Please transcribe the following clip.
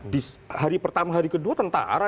di hari pertama hari kedua tentara